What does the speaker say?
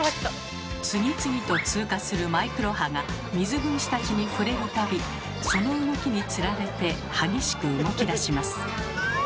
次々と通過するマイクロ波が水分子たちに触れる度その動きにつられて激しく動きだします。